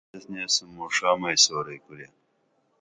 ژا چُلن تہ ایس نیسُم موں ڜا منی سورئی کُرے